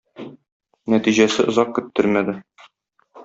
Нәтиҗәсе озак көттермәде.